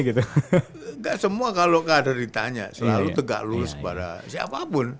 nggak semua kalau ada ditanya selalu tegak lurus pada siapapun